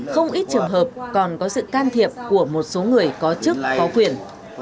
không ít trường hợp còn có sự can thiệp của một số người có chức có quyền